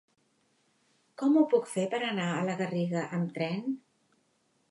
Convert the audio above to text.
Com ho puc fer per anar a la Garriga amb tren?